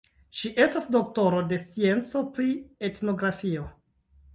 Ŝi estas doktoro de scienco pri etnografio.